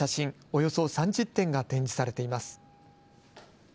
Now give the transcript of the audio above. およそ３０点が展示されています。